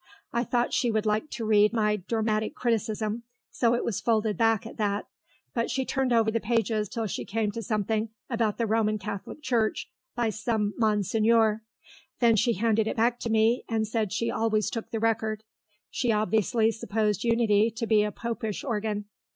I thought she would like to read my Dramatic Criticism, so it was folded back at that, but she turned over the pages till she came to something about the Roman Catholic Church, by some Monsignor; then she handed it back to me and said she always took the Record. She obviously supposed Unity to be a Popish organ.